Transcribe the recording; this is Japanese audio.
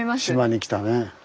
島に来たね。